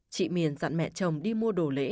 chị miền dặn mẹ chồng đi mua đồ lễ